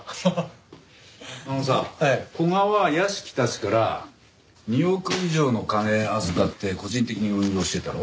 あのさ古賀は屋敷たちから２億以上の金預かって個人的に運用してたろ？